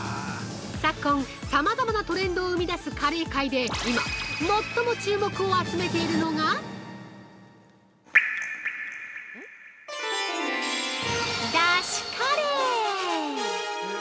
昨今、さまざまなトレンドを生み出すカレー界で今最も注目を集めているのが出汁カレー。